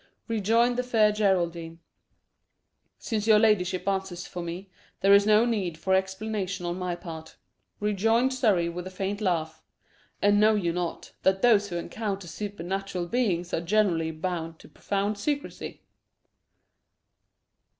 rejoined the Fair Geraldine. "Since your ladyship answers for me, there is no need for explanation on my part," rejoined Surrey, with a faint laugh. "And know you not, that those who encounter super natural beings are generally bound to profound secrecy?"